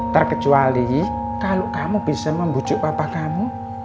terkecuali kalau kamu bisa membujuk papa kamu